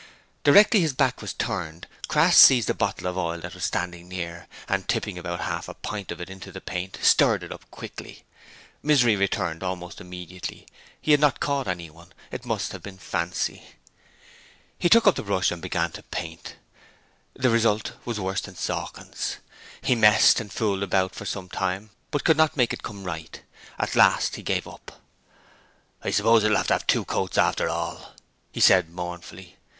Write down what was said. Directly his back was turned Crass seized a bottle of oil that was standing near and, tipping about half a pint of it into the paint, stirred it up quickly. Misery returned almost immediately: he had not caught anyone; it must have been fancy. He took up the brush and began to paint. The result was worse than Sawkins! He messed and fooled about for some time, but could not make it come right. At last he gave it up. 'I suppose it'll have to have two coats after all,' he said, mournfully.